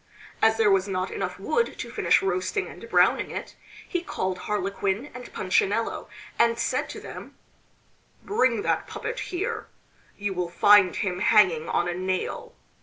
As there was not enough wood to finish roasting and browning it, he called Harlequin and Punchinello, and said to them: "Bring that puppet here; you will find him hanging on a nail.